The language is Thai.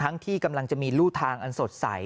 ที่กำลังจะมีรูทางอันสดใส